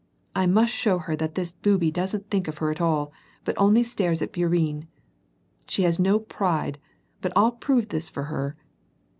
I must show her that this booby doesn't think of her at all, but only stares at Bourienne. She has no pride, but I'll prove this for her."